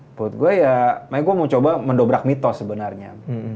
menurut gue ya makanya gue mau coba mendobrak mitos sebenarnya